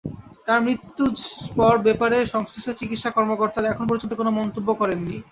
তাঁর মৃতু্যর ব্যাপারে সংশ্লিষ্ট চিকিৎসা কর্মকর্তারা এখন পর্যন্ত কোনো মন্তব্য করেননি।